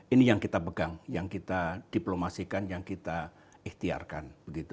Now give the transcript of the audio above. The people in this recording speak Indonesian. ini yang kita pegang yang kita diplomasikan yang kita ikhtiarkan